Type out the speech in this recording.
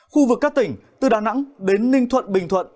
khu vực các tỉnh từ đà nẵng đến ninh thuận bình thuận